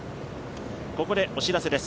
ここでお知らせです。